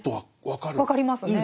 分かりますね。